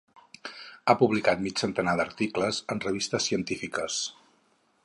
Ha publicat mig centenar d’articles en revistes científiques.